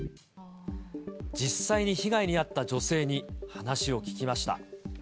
実際に被害に遭った女性に話を聞きました。